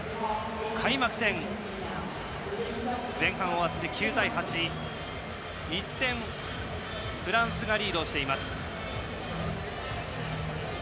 開幕戦前半が終わって９対８１点、フランスがリードしています。